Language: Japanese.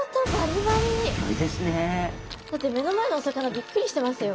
だって目の前のお魚びっくりしてますよ。